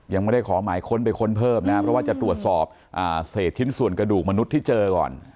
ยังไม่ได้ขอหมายค้นไปค้นเพิ่มนะครับเพราะว่าจะตรวจสอบเศษชิ้นส่วนกระดูกมนุษย์ที่เจอก่อน